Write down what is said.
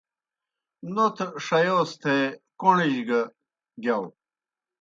نوتھوْ ݜیوس تھے کوݨِنجیْ گہ گِیاؤ